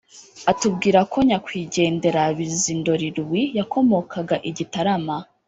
atubwira ko nyakwigendera bizindoli louis yakomokaga i gitarama